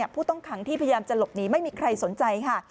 ผู้ต้องขังที่พยายามจะหลบหนีไม่มีใครสนใจค่ะ